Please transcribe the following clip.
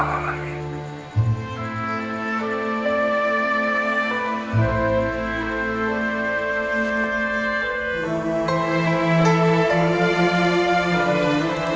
kamu tidak pantas disebut penyeka